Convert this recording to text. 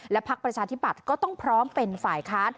พักประชาธิบัติก็ต้องพร้อมเป็นฝ่ายค้าน